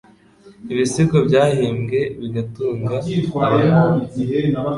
ibisigo byahimbwe bigatunga abahanzi,